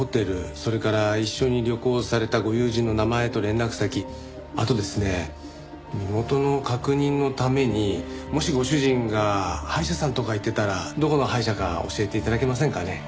それから一緒に旅行されたご友人の名前と連絡先あとですね身元の確認のためにもしご主人が歯医者さんとか行ってたらどこの歯医者か教えて頂けませんかね？